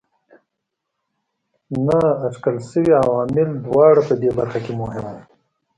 نااټکل شوي عوامل دواړه په دې برخه کې مهم وو.